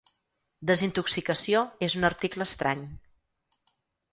Desintoxicació és un article estrany.